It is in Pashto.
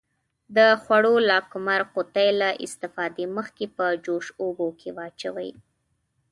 د خوړو لاکمُر قوطي له استفادې مخکې په جوش اوبو کې واچوئ.